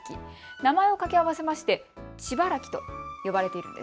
名前を掛け合わせましてちばらきと呼ばれているんです。